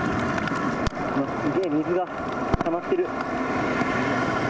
すごい水がたまってる。